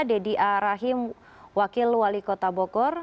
dedy a rahim wakil wali kota bogor